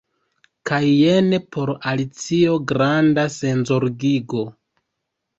Kaj jen por Alicio granda senzorgigo.